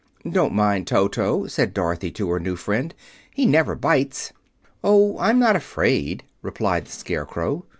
"Don't mind Toto," said Dorothy to her new friend. "He never bites." "Oh, I'm not afraid," replied the Scarecrow.